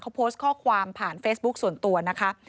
เขาโพสต์ข้อความผ่านเฟซบุ๊คส่วนตัวนะคะ